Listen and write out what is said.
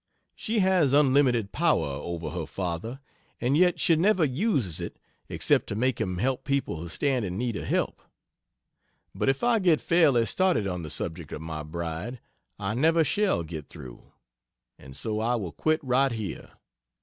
She has unlimited power over her father, and yet she never uses it except to make him help people who stand in need of help.... But if I get fairly started on the subject of my bride, I never shall get through and so I will quit right here.